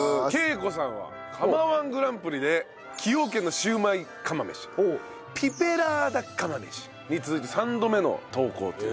圭子さんは釜−１グランプリで崎陽軒のシウマイ釜飯ピペラーダ釜飯に続いて３度目の投稿という。